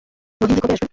রহিম ভাই কবে আসবেন?